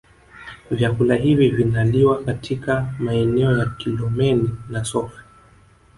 Vyakula hivi vinaliwa katika maeneo ya Kilomeni na Sofe